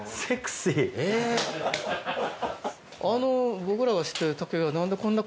あの僕らが知ってる竹が。